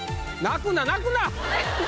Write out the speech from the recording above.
泣くな泣くな！